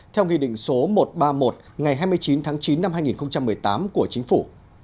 theo nghị định số một trăm ba mươi một ngày hai mươi chín tháng chín năm hai nghìn một mươi tám của chính phủ